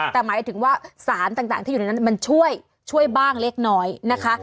แต่หมายถึงว่าสารต่างที่อยู่ในนั้นมันช่วยบ้างเล็กน้อยนะคะ